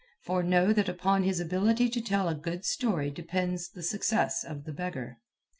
For know that upon his ability to tell a good story depends the success of the beggar.